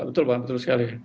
betul pak betul sekali